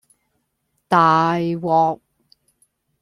大鑊